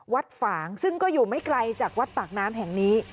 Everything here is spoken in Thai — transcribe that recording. ฝางซึ่งก็อยู่ไม่ไกลจากวัดปากน้ำแห่งนี้